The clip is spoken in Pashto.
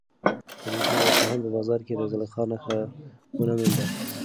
رېدي د اصفهان په بازار کې د زلیخا نښه ونه مونده.